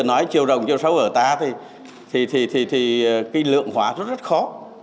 nói chiều rồng chiều sâu ở ta thì cái lượng hóa rất khó